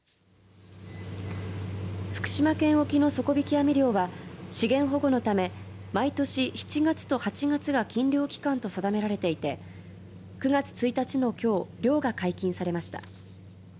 福島県沖の底引き網漁は資源保護のため毎年７月と８月が禁漁期間と定められていて９月１日のきょう漁が解禁されました。